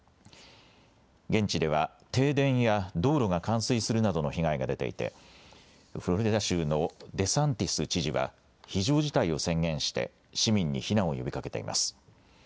現地では停電や道路が冠水するなどの被害が出ていて、フロリダ州のデサンティス知事は、非常事態を宣言して、市民に避難を呼びかけています。